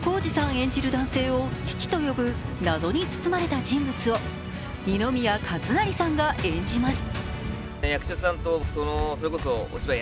演じる男性を父と呼ぶ謎に包まれた人物を二宮和也さんが演じます。